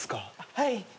はい。